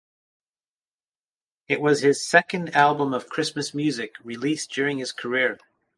It was his second album of Christmas music released during his career.